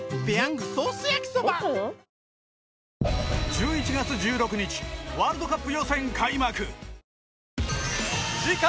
１１月１６日ワールドカップ予選開幕